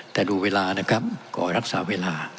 แต่ดูเวลานะครับขอรักษาเวลา